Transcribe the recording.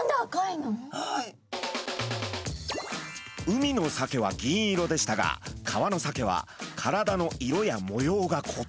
海のサケは銀色でしたが川のサケは体の色や模様が異なります。